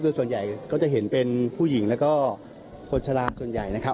คือส่วนใหญ่ก็จะเห็นเป็นผู้หญิงแล้วก็คนชะลาส่วนใหญ่นะครับ